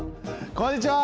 こんにちは！